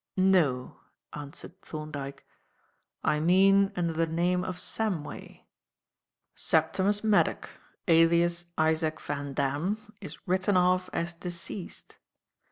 "No," answered Thorndyke. "I mean under the name of Samway. Septimus Maddock, alias Isaac Van Damme, is written off as deceased.